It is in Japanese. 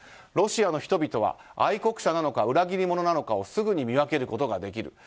ロシアの人々は愛国者なのか裏切り者なのかをすぐに見分けることができる。